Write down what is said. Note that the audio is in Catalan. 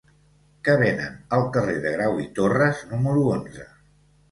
Què venen al carrer de Grau i Torras número onze?